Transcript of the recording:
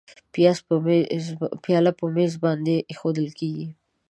پیاله په میز باندې اېښوول کېږي.